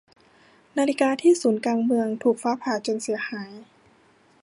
นาฬิกาที่ศูนย์กลางเมืองถูกฟ้าผ่าจนเสียหาย